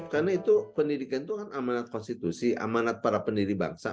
karena itu pendidikan itu amanat konstitusi amanat para pendiri bangsa